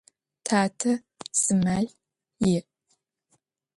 Tate zı mel yi'.